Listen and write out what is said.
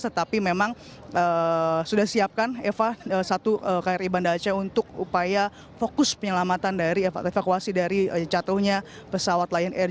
tetapi memang sudah siapkan eva satu kri banda aceh untuk upaya fokus penyelamatan dari evakuasi dari jatuhnya pesawat lion air